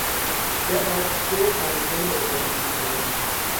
به آبجو الکل اضافی زدن